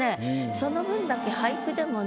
その分だけ俳句でもね